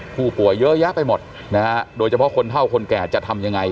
ผู้ป่วยเยอะแยะไปหมดนะฮะโดยเฉพาะคนเท่าคนแก่จะทำยังไง